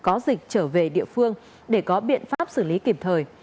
có dịch trở về địa phương để có biện pháp xử lý kịp thời